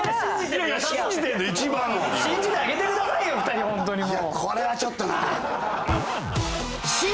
いやいや信じてあげてくださいよ２人ほんとにもう。